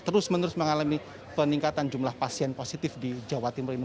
terus menerus mengalami peningkatan jumlah pasien positif di jawa timur ini